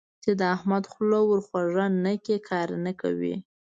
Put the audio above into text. چې د احمد خوله ور خوږه نه کړې؛ کار نه کوي.